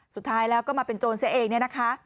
สุดท้ายแล้วก็มาเป็นโจรเสียเองเนี่ยนะคะ